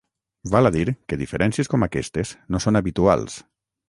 Val a dir que diferències com aquestes no són habituals.